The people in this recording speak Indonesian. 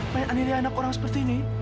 main anirianak orang seperti ini